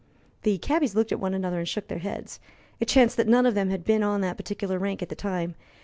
The cabbies looked at one another and shook their heads; it chanced that none of them had been on that particular rank at that time.